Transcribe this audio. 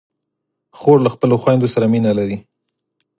خور له خپلو خویندو سره مینه لري.